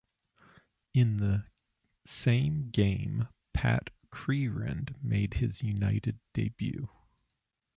In the same game Pat Crerand made his United debut.